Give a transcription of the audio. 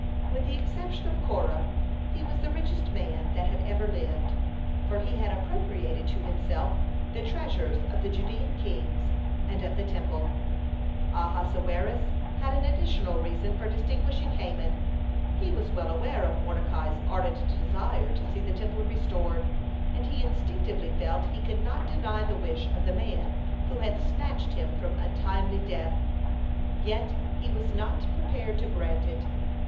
With the exception of Korah he was the richest man that had ever lived, for he had appropriated to himself the treasures of the Judean kings and of the Temple. (93) Ahasuerus had an additional reason for distinguishing Haman. He was well aware of Mordecai's ardent desire to see the Temple restored, and he instinctively felt he could not deny the wish of the man who had snatched him from untimely death. Yet he was not prepared to grant it.